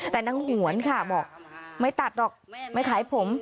แต่นางหวนค่ะบอกไม่ตัดหรอกไม่ขายผม